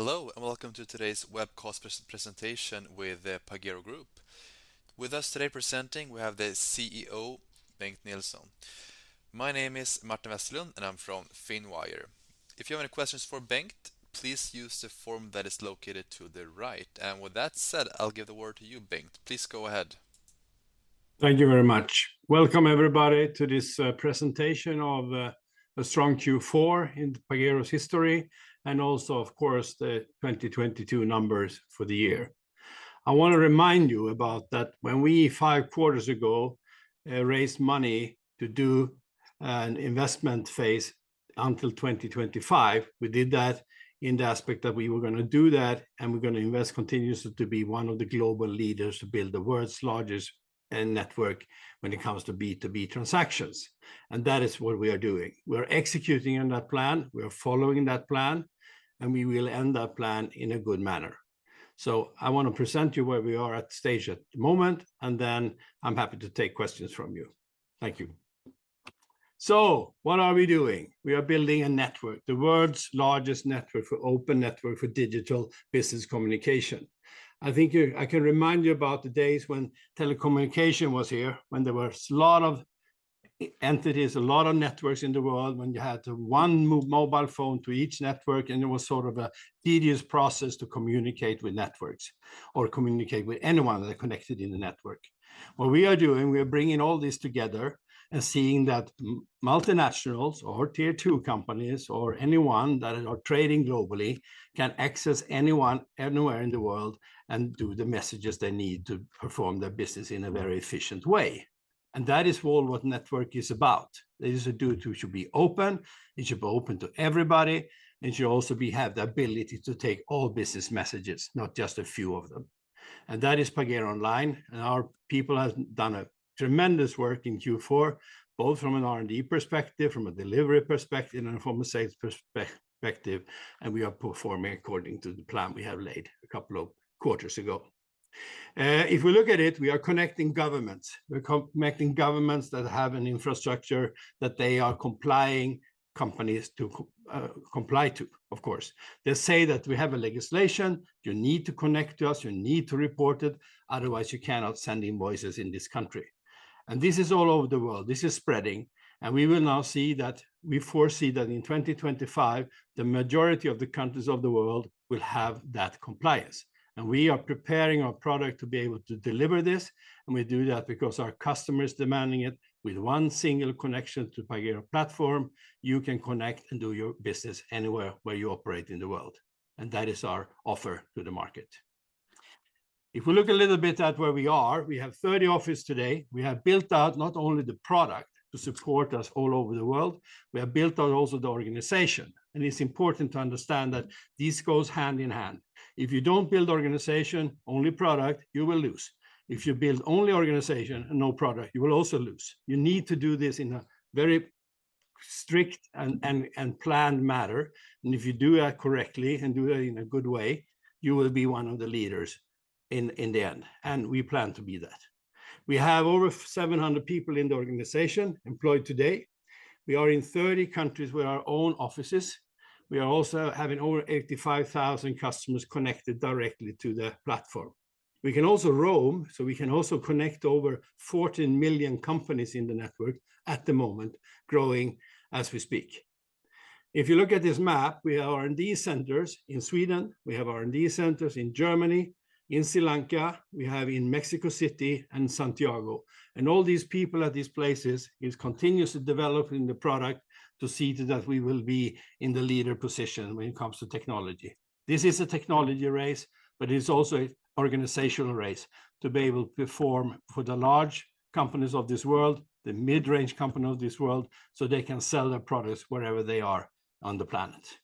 Hello, welcome to today's webcast presentation with the Pagero Group. With us today presenting, we have the CEO, Bengt Nilsson. My name is Martin Westerlund, and I'm from Finwire. If you have any questions for Bengt, please use the form that is located to the right. With that said, I'll give the word to you, Bengt. Please go ahead. Thank you very much. Welcome, everybody, to this presentation of a strong Q4 in Pagero's history, and also of course the 2022 numbers for the year. I wanna remind you about that when we, five quarters ago, raised money to do an investment phase until 2025, we did that in the aspect that we were gonna do that, and we're gonna invest continuously to be one of the global leaders to build the world's largest end network when it comes to B2B transactions, and that is what we are doing. We're executing on that plan, we are following that plan, and we will end that plan in a good manner. I wanna present to you where we are at stage at the moment, and then I'm happy to take questions from you. Thank you. What are we doing? We are building a network, the world's largest network for open network for digital business communication. I think you I can remind you about the days when telecommunication was here, when there was a lot of entities, a lot of networks in the world, when you had one mobile phone to each network. It was sort of a tedious process to communicate with networks or communicate with anyone that are connected in the network. What we are doing, we are bringing all this together seeing that multinationals or Tier 2 companies or anyone that are trading globally can access anyone, anywhere in the world do the messages they need to perform their business in a very efficient way. That is all what network is about. This is a tool to should be open, it should be open to everybody, it should also be have the ability to take all business messages, not just a few of them, and that is Pagero Online. Our people has done a tremendous work in Q4, both from an R&D perspective, from a delivery perspective, and from a sales perspective, and we are performing according to the plan we have laid a couple of quarters ago. If we look at it, we are connecting governments. We're connecting governments that have an infrastructure that they are complying companies to, comply to, of course. They say that we have a legislation, you need to connect to us, you need to report it, otherwise you cannot send invoices in this country. This is all over the world. This is spreading. We will now see that, we foresee that in 2025, the majority of the countries of the world will have that compliance. We are preparing our product to be able to deliver this, and we do that because our customer is demanding it. With one single connection to Pagero platform, you can connect and do your business anywhere where you operate in the world, and that is our offer to the market. If we look a little bit at where we are, we have 30 office today. We have built out not only the product to support us all over the world, we have built out also the organization. It's important to understand that this goes hand in hand. If you don't build organization, only product, you will lose. If you build only organization and no product, you will also lose. You need to do this in a very strict and planned manner. If you do that correctly and do that in a good way, you will be one of the leaders in the end, and we plan to be that. We have over 700 people in the organization employed today. We are in 30 countries with our own offices. We are also having over 85,000 customers connected directly to the platform. We can also roam, so we can also connect over 14 million companies in the network at the moment, growing as we speak. If you look at this map, we have R&D centers in Sweden, we have R&D centers in Germany, in Sri Lanka, we have in Mexico City and Santiago. All these people at these places is continuously developing the product to see that we will be in the leader position when it comes to technology. This is a technology race, but it's also a organizational race to be able to perform for the large companies of this world, the mid-range company of this world, so they can sell their products wherever they are on the planet.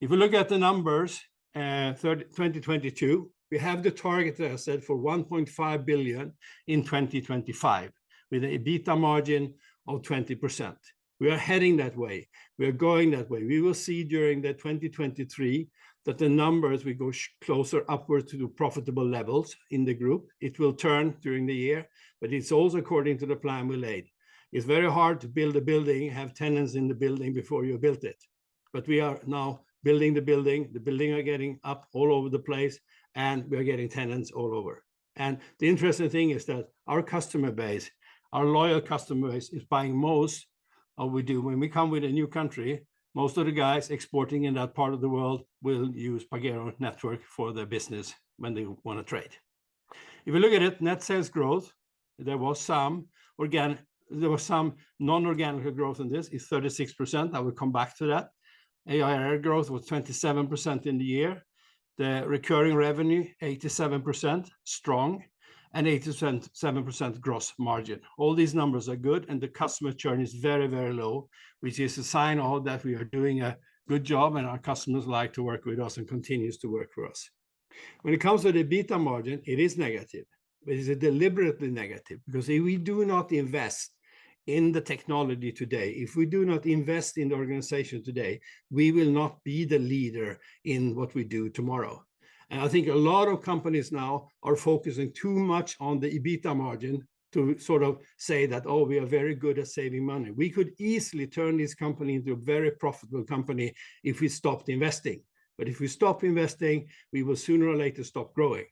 If we look at the numbers, 2022, we have the target that I said for 1.5 billion in 2025, with a EBITDA margin of 20%. We are heading that way. We are going that way. We will see during the 2023 that the numbers will go closer upwards to the profitable levels in the group. It will turn during the year, but it's also according to the plan we laid. It's very hard to build a building, have tenants in the building before you built it. We are now building the building, the building are getting up all over the place, and we are getting tenants all over. The interesting thing is that our customer base, our loyal customers is buying most of we do. When we come with a new country, most of the guys exporting in that part of the world will use Pagero Network for their business when they wanna trade. If you look at it, net sales growth, there was some non-organic growth, and this is 36%. I will come back to that. ARR growth was 27% in the year. The recurring revenue, 87%, strong, and 87% gross margin. All these numbers are good, the customer churn is very, very low, which is a sign all that we are doing a good job and our customers like to work with us and continues to work with us. When it comes to the EBITDA margin, it is negative, but it is deliberately negative because if we do not invest in the technology today, if we do not invest in the organization today, we will not be the leader in what we do tomorrow. I think a lot of companies now are focusing too much on the EBITDA margin to sort of say that, "Oh, we are very good at saving money." We could easily turn this company into a very profitable company if we stopped investing. If we stop investing, we will sooner or later stop growing.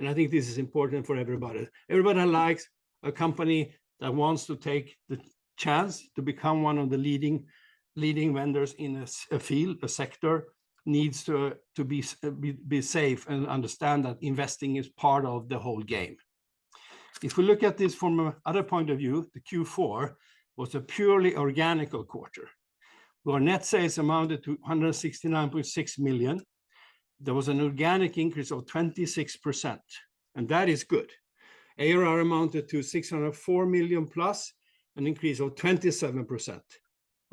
I think this is important for everybody. Everybody likes a company that wants to take the chance to become one of the leading vendors in this field. The sector needs to be safe and understand that investing is part of the whole game. If we look at this from a other point of view, the Q4 was a purely organic quarter, where net sales amounted to 169.6 million. There was an organic increase of 26%. That is good. ARR amounted to 604 million+, an increase of 27%.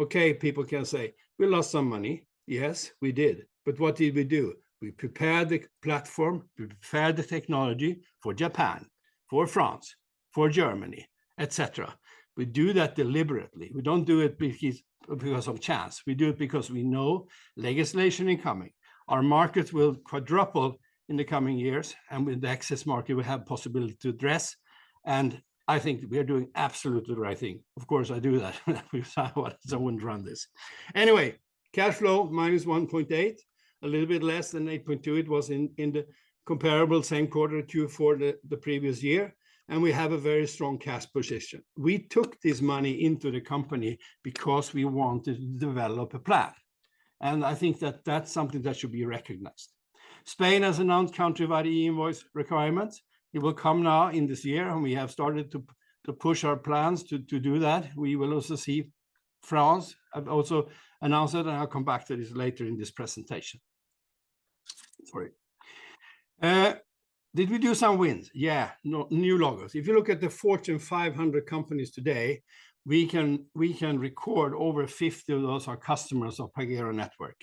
Okay, people can say, "We lost some money." Yes, we did. What did we do? We prepared the platform, we prepared the technology for Japan, for France, for Germany, et cetera. We do that deliberately. We don't do it because of chance. We do it because we know legislation incoming. Our markets will quadruple in the coming years, and with the excess market we have possibility to address. I think we are doing absolutely the right thing. Of course I do that. If not, I wouldn't run this. Anyway, cash flow -1.8. A little bit less than 8.2 it was in the comparable same quarter Q4 the previous year. We have a very strong cash position. We took this money into the company because we want to develop a plan, and I think that that's something that should be recognized. Spain has announced country value e-invoice requirements. It will come now in this year, and we have started to push our plans to do that. We will also see France have also announced that, and I'll come back to this later in this presentation. Sorry. Did we do some wins? Yeah. New logos. If you look at the Fortune 500 companies today, we can record over 50 of those are customers of Pagero Network.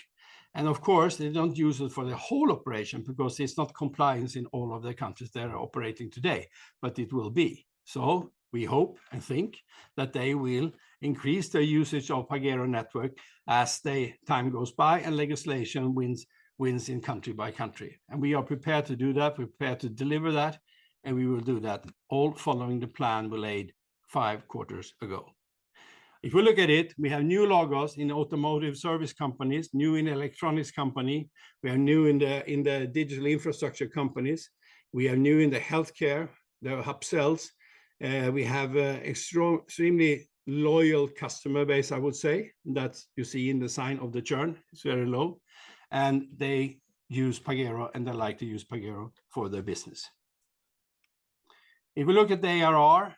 They don't use it for their whole operation because it's not compliance in all of their countries they are operating today, but it will be. We hope and think that they will increase their usage of Pagero Network as they time goes by and legislation wins in country by country. We are prepared to do that, prepared to deliver that, and we will do that, all following the plan we laid five quarters ago. If we look at it, we have new logos in automotive service companies, new in electronics company. We are new in the digital infrastructure companies. We are new in the healthcare, the upsells. We have a extremely loyal customer base, I would say. That you see in the sign of the churn. It's very low. They use Pagero, and they like to use Pagero for their business. If we look at the ARR,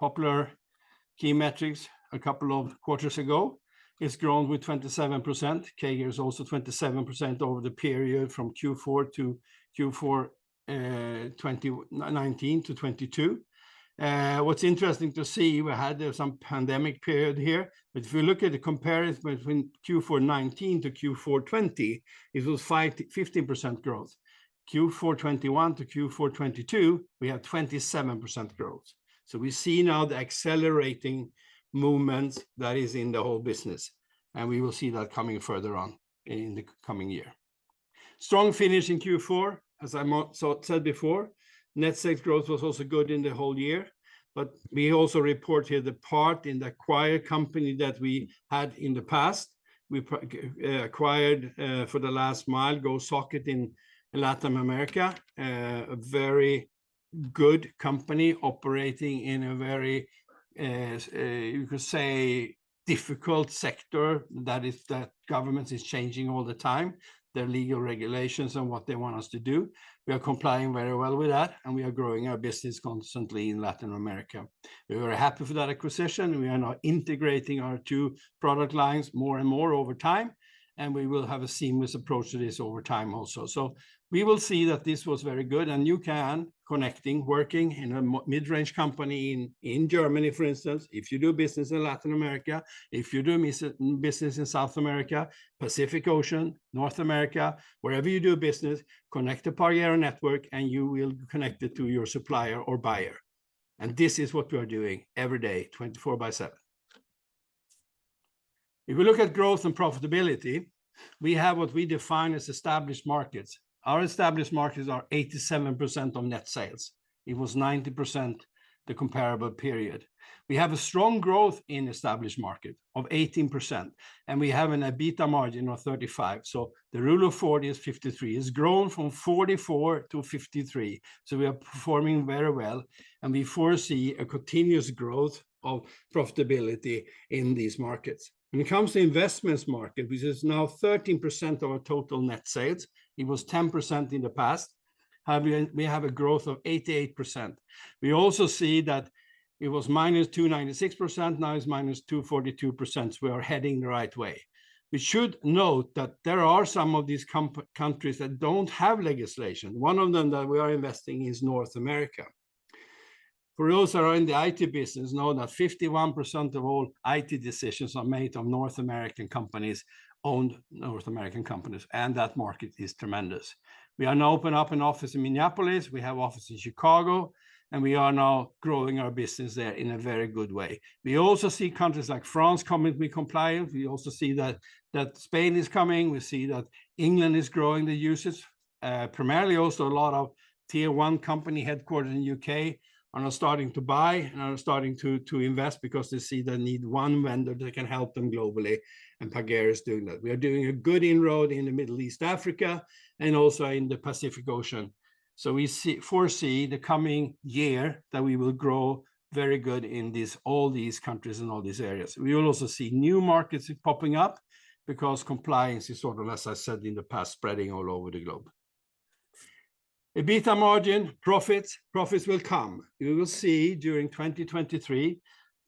popular key metrics a couple of quarters ago, it's grown with 27%. K here is also 27% over the period from Q4 to Q4, 2019 to 2022. What's interesting to see, we had some pandemic period here, but if you look at the comparison between Q4 2019 to Q4 2020, it was 15% growth. Q4 2021 to Q4 2022, we had 27% growth. We see now the accelerating movement that is in the whole business, and we will see that coming further on in the coming year. Strong finish in Q4. As I said before, net sales growth was also good in the whole year. We also reported the part in the acquired company that we had in the past. We acquired for the last mile Gosocket in Latin America. A very good company operating in a very, you could say, difficult sector, that is that government is changing all the time, their legal regulations and what they want us to do. We are complying very well with that, and we are growing our business constantly in Latin America. We are happy for that acquisition. We are now integrating our two product lines more and more over time, and we will have a seamless approach to this over time also. We will see that this was very good, and you can, connecting, working in a mid-range company in Germany, for instance, if you do business in Latin America, if you do business in South America, Asia Pacific, North America, wherever you do business, connect to Pagero Network and you will connect it to your supplier or buyer. This is what we are doing every day, 24/7. If we look at growth and profitability, we have what we define as established markets. Our established markets are 87% of net sales. It was 90% the comparable period. We have a strong growth in established market of 18%, and we have an EBITDA margin of 35. The Rule of 40 is 53. It's grown from 44 to 53, we are performing very well, and we foresee a continuous growth of profitability in these markets. When it comes to investments market, which is now 13% of our total net sales, it was 10% in the past, we have a growth of 88%. We also see that it was -296%, now it's -242%. We are heading the right way. We should note that there are some of these countries that don't have legislation. One of them that we are investing is North America. For those that are in the IT business know that 51% of all IT decisions are made of North American companies, owned North American companies, that market is tremendous. We are now open up an office in Minneapolis. We have office in Chicago, and we are now growing our business there in a very good way. We also see countries like France coming to be compliant. We also see that Spain is coming. We see that England is growing the usage. Primarily also a lot of tier one company headquarters in U.K. are now starting to buy and are starting to invest because they see they need one vendor that can help them globally, and Pagero is doing that. We are doing a good inroad in the Middle East Africa and also in the Asia Pacific. We foresee the coming year that we will grow very good in this, all these countries and all these areas. We will also see new markets popping up because compliance is sort of, as I said in the past, spreading all over the globe. EBITDA margin profits. Profits will come. You will see during 2023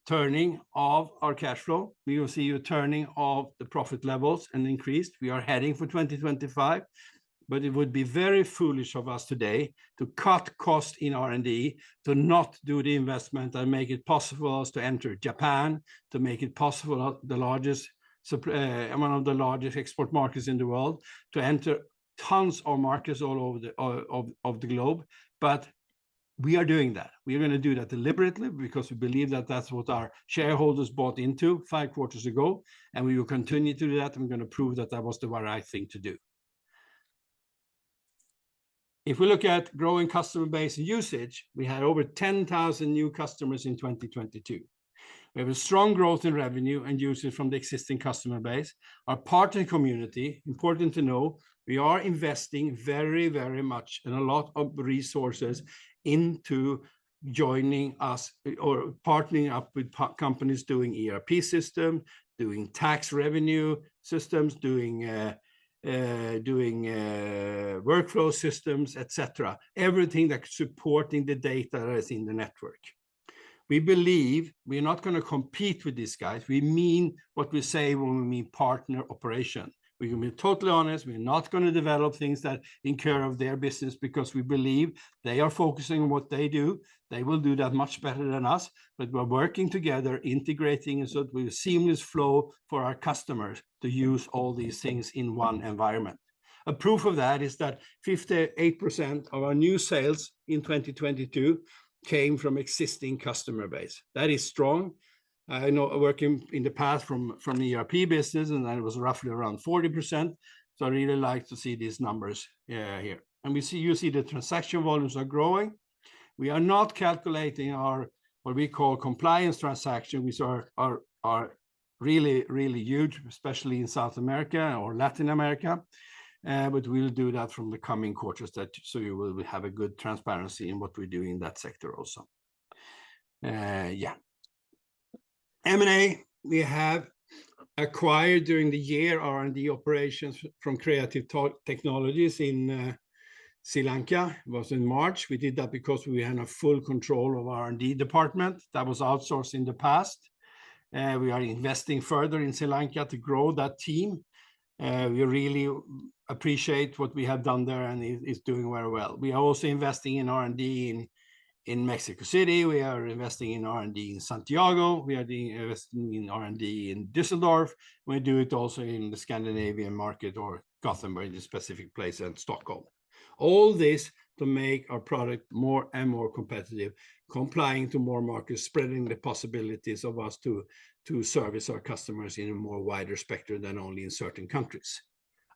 turning of our cash flow. We will see a turning of the profit levels and increased. We are heading for 2025, but it would be very foolish of us today to cut costs in R&D, to not do the investment that make it possible us to enter Japan, to make it possible the largest among the largest export markets in the world, to enter tons of markets all over the globe. We are doing that. We are gonna do that deliberately because we believe that that's what our shareholders bought into five quarters ago, and we will continue to do that, and we're gonna prove that that was the right thing to do. If we look at growing customer base usage, we had over 10,000 new customers in 2022. We have a strong growth in revenue and usage from the existing customer base. Our partner community, important to know, we are investing very much and a lot of resources into joining us or partnering up with companies doing ERP system, doing tax revenue systems, doing workflow systems, et cetera. Everything that's supporting the data that is in the network. We believe we're not gonna compete with these guys. We mean what we say when we mean partner operation. We're gonna be totally honest. We're not gonna develop things that incur of their business because we believe they are focusing on what they do. They will do that much better than us. We're working together, integrating so it be a seamless flow for our customers to use all these things in one environment. A proof of that is that 58% of our new sales in 2022 came from existing customer base. That is strong. I know working in the past from the ERP business, and that was roughly around 40%, so I really like to see these numbers here. We see, you see the transaction volumes are growing. We are not calculating our, what we call compliance transaction, which are really huge, especially in South America or Latin America. We'll do that from the coming quarters that so you will have a good transparency in what we do in that sector also. Yeah. M&A, we have acquired during the year R&D operations from Creative Software in Sri Lanka. It was in March. We did that because we had a full control of R&D department that was outsourced in the past. We are investing further in Sri Lanka to grow that team. We really appreciate what we have done there, and it is doing very well. We are also investing in R&D in Mexico City. We are investing in R&D in Santiago. We are investing in R&D in Düsseldorf. We do it also in the Scandinavian market or Gothenburg, in the specific place, and Stockholm. All this to make our product more and more competitive, complying to more markets, spreading the possibilities of us to service our customers in a more wider spectrum than only in certain countries.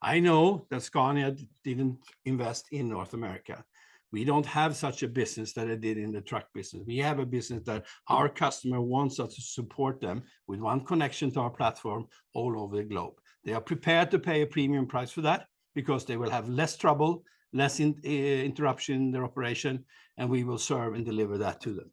I know that Scania didn't invest in North America. We don't have such a business that it did in the truck business. We have a business that our customer wants us to support them with one connection to our platform all over the globe. They are prepared to pay a premium price for that because they will have less trouble, less interruption in their operation, and we will serve and deliver that to them.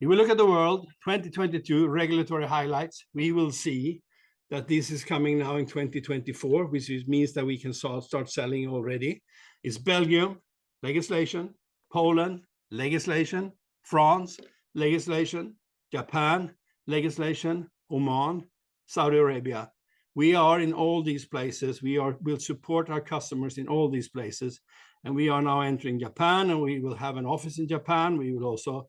If you look at the world 2022 regulatory highlights, we will see that this is coming now in 2024, which is means that we can sell, start selling already, is Belgium legislation, Poland legislation, France legislation, Japan legislation, Oman, Saudi Arabia. We are in all these places. We will support our customers in all these places. We are now entering Japan, and we will have an office in Japan. We will also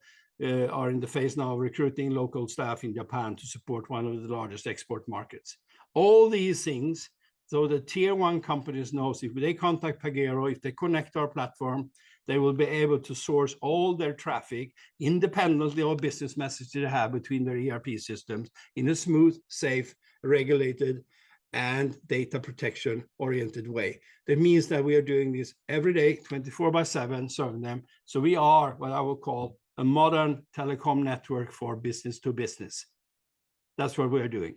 are in the phase now of recruiting local staff in Japan to support one of the largest export markets. All these things, the tier one companies knows if they contact Pagero, if they connect our platform, they will be able to source all their traffic independently or business messages they have between their ERP systems in a smooth, safe, regulated, and data protection-oriented way. That means that we are doing this every day, 24 by seven, serving them. We are what I would call a modern telecom network for business to business. That's what we are doing.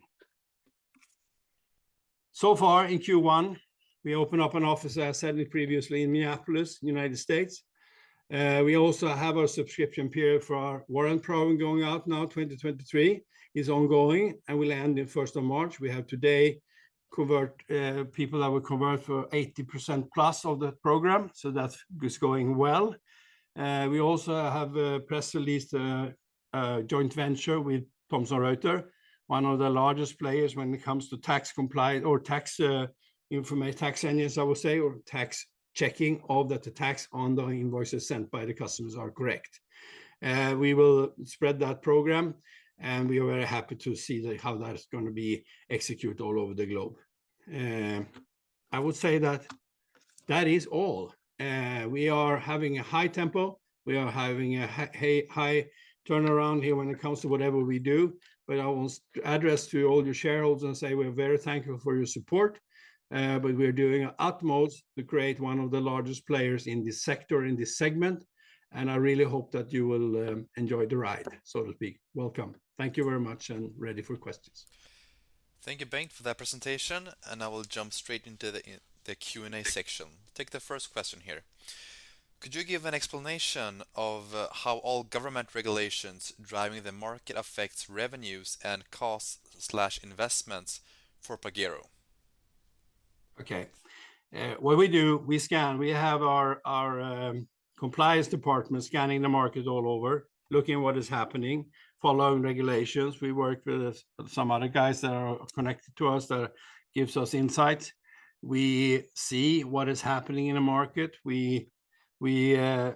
Far in Q1, we opened up an office, as I said previously, in Minneapolis, United States. We also have our subscription period for our warrant program going out now, 2023, is ongoing and will end in 1st of March. We have today convert, people that will convert for 80%+ of the program, so that's, is going well. We also have press released a joint venture with Thomson Reuters, one of the largest players when it comes to tax compliance or tax engines, I would say, or tax checking of the tax on the invoices sent by the customers are correct. We will spread that program, and we are very happy to see the, how that is gonna be executed all over the globe. I would say that that is all. We are having a high tempo. We are having a high turnaround here when it comes to whatever we do. I want to address to all you shareholders and say we're very thankful for your support, but we're doing our utmost to create one of the largest players in this sector, in this segment, and I really hope that you will enjoy the ride, so to speak. Welcome. Thank you very much and ready for questions. Thank you, Bengt, for that presentation, and I will jump straight into the Q&A section. Take the first question here. Could you give an explanation of how all government regulations driving the market affects revenues and costs/investments for Pagero? Okay. What we do, we scan. We have our compliance department scanning the market all over, looking at what is happening, following regulations. We work with some other guys that are connected to us that gives us insights. We see what is happening in the market. We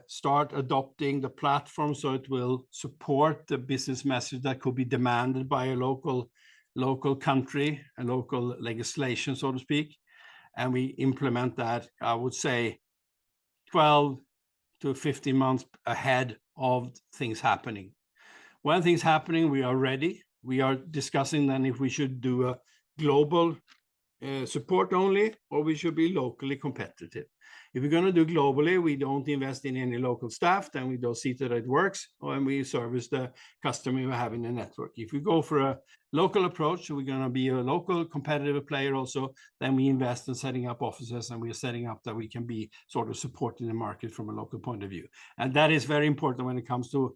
start adopting the platform so it will support the business message that could be demanded by a local country, a local legislation, so to speak. We implement that, I would say 12 to 15 months ahead of things happening. When things happening, we are ready. We are discussing then if we should do a global support only, or we should be locally competitive. If we're gonna do globally, we don't invest in any local staff, then we don't see that it works, and we service the customer we have in the network. If we go for a local approach, we're gonna be a local competitive player also, we invest in setting up offices, and we are setting up that we can be sort of supporting the market from a local point of view. That is very important when it comes to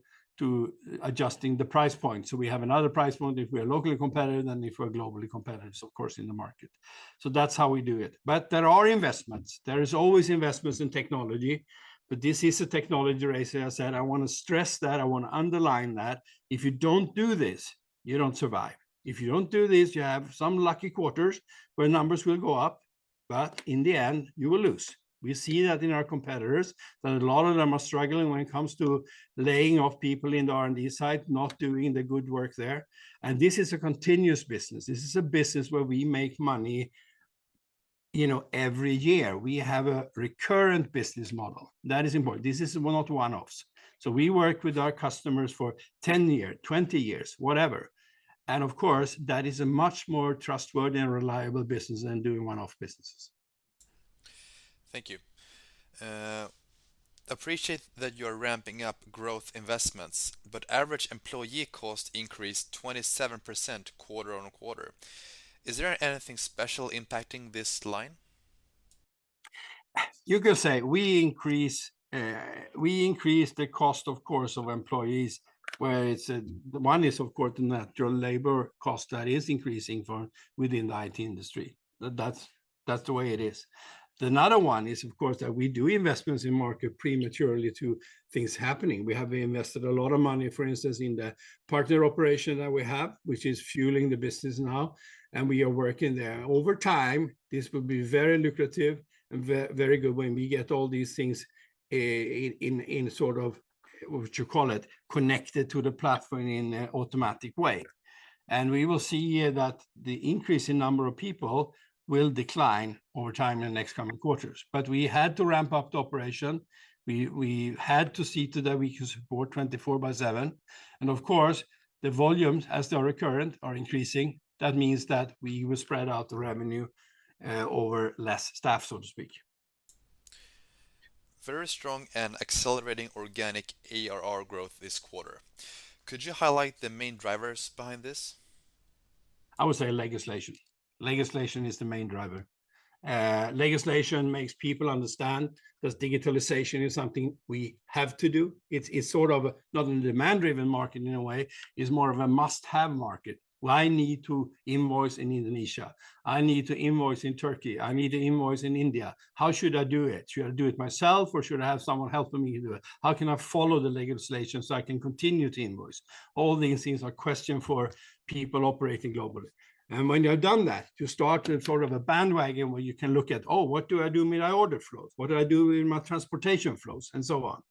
adjusting the price point. We have another price point if we are locally competitive than if we're globally competitive, of course, in the market. That's how we do it. There are investments. There is always investments in technology, but this is a technology race, as I said. I wanna stress that. I wanna underline that. If you don't do this, you don't survive. If you don't do this, you have some lucky quarters where numbers will go up, but in the end, you will lose. We see that in our competitors, that a lot of them are struggling when it comes to laying off people in the R&D side, not doing the good work there. This is a continuous business. This is a business where we make money, you know, every year. We have a recurrent business model. That is important. This is not one-offs. We work with our customers for 10 years, 20 years, whatever. Of course, that is a much more trustworthy and reliable business than doing one-off businesses. Thank you. appreciate that you're ramping up growth investments, but average employee cost increased 27% quarter-on-quarter. Is there anything special impacting this line? You could say we increase, we increase the cost, of course, of employees, where it's, one is of course the natural labor cost that is increasing for within the IT industry. That's the way it is. Another one is, of course, that we do investments in market prematurely to things happening. We have invested a lot of money, for instance, in the partner operation that we have, which is fueling the business now, and we are working there. Over time, this will be very lucrative and very good when we get all these things in sort of, what you call it, connected to the platform in a automatic way. We will see that the increase in number of people will decline over time in the next coming quarters. We had to ramp up the operation. We had to see to that we could support 24/7. Of course, the volumes, as they are recurrent, are increasing. That means that we will spread out the revenue over less staff, so to speak. Very strong and accelerating organic ARR growth this quarter. Could you highlight the main drivers behind this? I would say legislation. Legislation is the main driver. Legislation makes people understand that digitalization is something we have to do. It's sort of not in demand-driven market in a way. It's more of a must-have market. Well, I need to invoice in Indonesia. I need to invoice in Turkey. I need to invoice in India. How should I do it? Should I do it myself, or should I have someone helping me do it? How can I follow the legislation so I can continue to invoice? All these things are question for people operating globally. When you have done that, you start in sort of a bandwagon where you can look at, oh, what do I do with my order flows? What do I do with my transportation flows, and so on.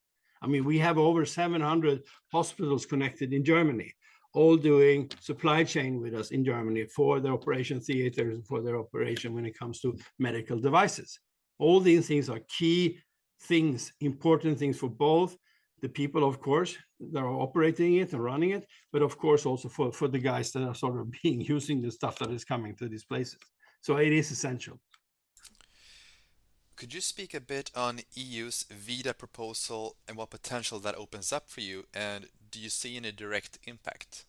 I mean, we have over 700 hospitals connected in Germany, all doing supply chain with us in Germany for their operation theaters, for their operation when it comes to medical devices. All these things are key things, important things for both the people, of course, that are operating it and running it, but of course also for the guys that are using the stuff that is coming to these places. It is essential. Could you speak a bit on EU's ViDA proposal and what potential that opens up for you? Do you see any direct impact?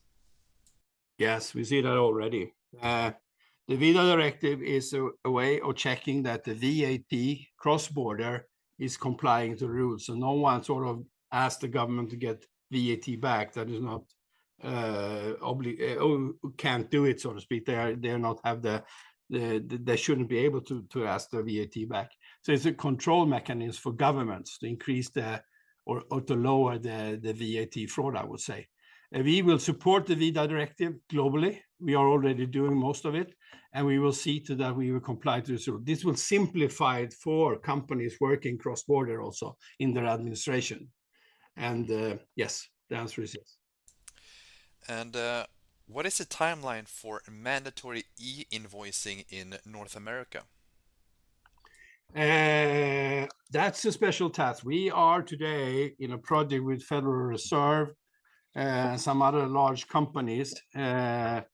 Yes, we see that already. The ViDA directive is a way of checking that the VAT cross-border is complying to rules. No one sort of asks the government to get VAT back that is not or can't do it, so to speak. They are not have they shouldn't be able to ask their VAT back. It's a control mechanism for governments to increase or to lower the VAT fraud, I would say. We will support the ViDA directive globally. We are already doing most of it, and we will see to that we will comply to the sort of. This will simplify it for companies working cross-border also in their administration. Yes, the answer is yes. What is the timeline for mandatory e-invoicing in North America? That's a special task. We are today in a project with Federal Reserve, some other large companies, to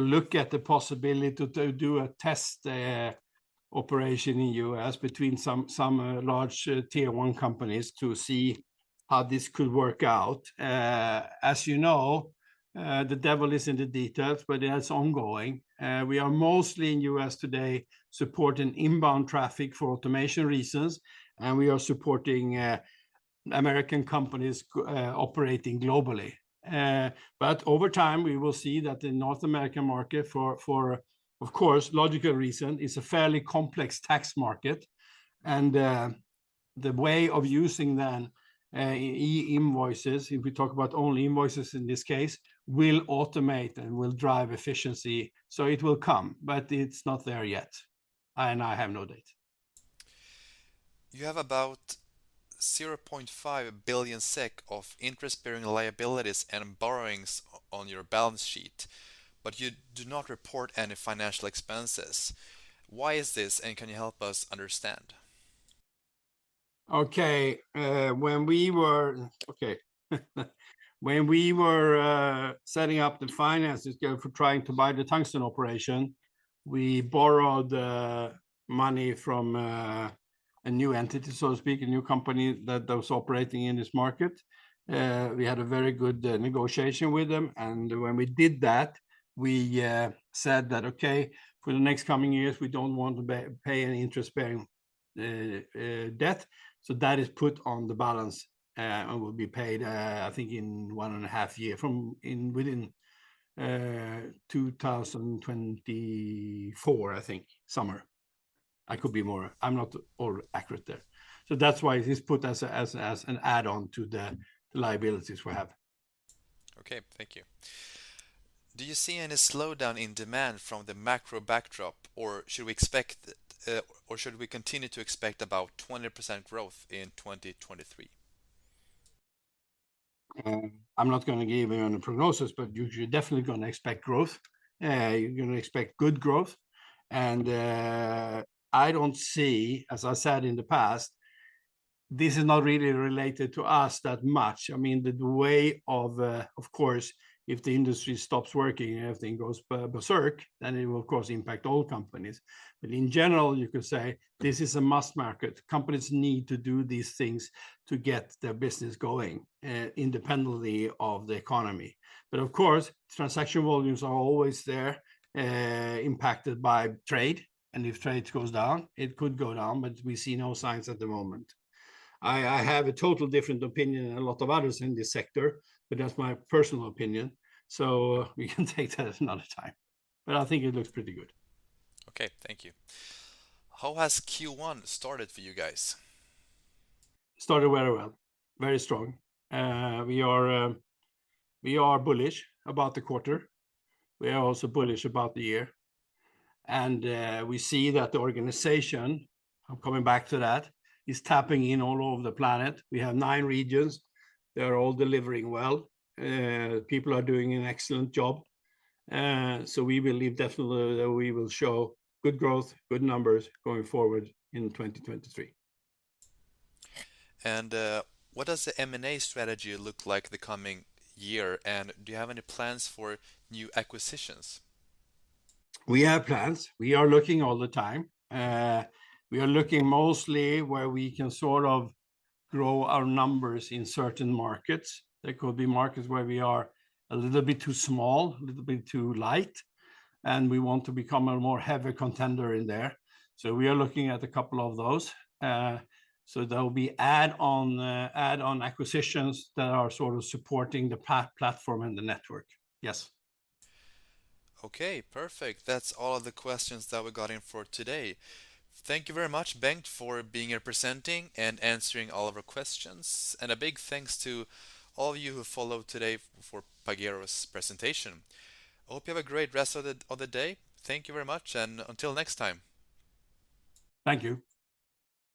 look at the possibility to do a test operation in U.S. between some large tier one companies to see how this could work out. As you know, the devil is in the details, but it's ongoing. We are mostly in U.S. today supporting inbound traffic for automation reasons, and we are supporting American companies operating globally. Over time, we will see that the North American market for... Of course, logical reason, it's a fairly complex tax market, and the way of using then e-invoices, if we talk about only invoices in this case, will automate and will drive efficiency. It will come, but it's not there yet. I have no date. You have about 0.5 Billion SEK of interest-bearing liabilities and borrowings on your balance sheet, but you do not report any financial expenses. Why is this, and can you help us understand? Okay. When we were setting up the finances for trying to buy the Tungsten operation, we borrowed money from a new entity, so to speak, a new company that was operating in this market. We had a very good negotiation with them, and when we did that, we said that, "Okay, for the next coming years, we don't want to pay any interest-bearing debt," so that is put on the balance and will be paid, I think in one and a half years from... within 2024, I think, summer. I could be more. I'm not all accurate there. That's why it is put as an add-on to the liabilities we have. Okay. Thank you. Do you see any slowdown in demand from the macro backdrop, or should we continue to expect about 20% growth in 2023? I'm not gonna give any prognosis, but you definitely gonna expect growth. You're gonna expect good growth, and I don't see, as I said in the past, this is not really related to us that much. I mean, Of course, if the industry stops working and everything goes berserk, then it will of course impact all companies. In general, you could say this is a must market. Companies need to do these things to get their business going, independently of the economy. Of course, transaction volumes are always there, impacted by trade, and if trade goes down, it could go down, but we see no signs at the moment. I have a total different opinion than a lot of others in this sector, but that's my personal opinion. We can take that another time. I think it looks pretty good. Okay. Thank you. How has Q1 started for you guys? Started very well, very strong. We are bullish about the quarter. We are also bullish about the year. We see that the organization, I'm coming back to that, is tapping in all over the planet. We have nine regions. They're all delivering well. People are doing an excellent job. We believe definitely that we will show good growth, good numbers going forward in 2023. What does the M&A strategy look like the coming year, and do you have any plans for new acquisitions? We have plans. We are looking all the time. We are looking mostly where we can sort of grow our numbers in certain markets. There could be markets where we are a little bit too small, a little bit too light, and we want to become a more heavy contender in there. We are looking at a couple of those. There'll be add-on, add-on acquisitions that are sort of supporting the platform and the network. Yes. Okay. Perfect. That's all of the questions that we got in for today. Thank you very much, Bengt, for being here presenting and answering all of our questions. A big thanks to all of you who followed today for Pagero's presentation. I hope you have a great rest of the day. Thank you very much, and until next time. Thank you.